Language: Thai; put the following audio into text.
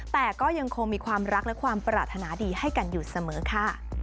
แต่ก็ยังคงมีความรักและความปรารถนาดีให้กันอยู่เสมอค่ะ